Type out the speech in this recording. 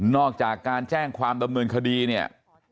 อกจากการแจ้งความดำเนินคดีเนี่ย